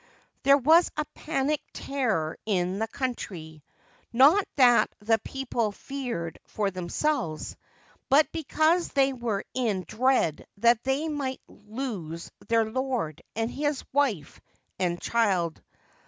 There was a panic terror in the country — not that the people feared for themselves, but because they were in dread that they might lose their lord and his wife and child.